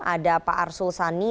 ada pak arsul sani